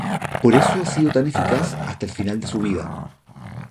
Por eso ha sido tan eficaz hasta el final de su vida.